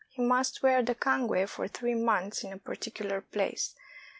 he must wear the cangue for three months in a particular place.